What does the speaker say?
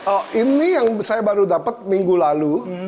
oh ini yang saya baru dapat minggu lalu